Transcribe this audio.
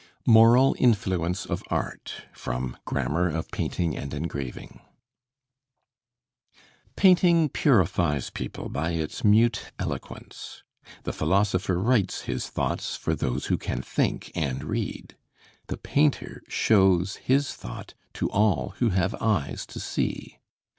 MORAL INFLUENCE OF ART From 'Grammar of Painting and Engraving' Painting purifies people by its mute eloquence. The philosopher writes his thoughts for those who can think and read. The painter shows his thought to all who have eyes to see.